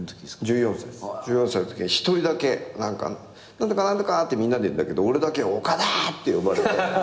何とか何とかってみんなで言うんだけど俺だけ「岡田！！」って呼ばれて。